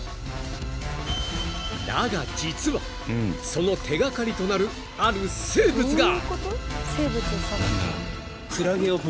［だが実はその手掛かりとなるある生物が］